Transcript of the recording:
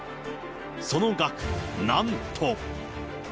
その額、なんと。